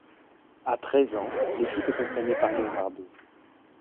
À présent l'équipe est entraîné par Leonardo.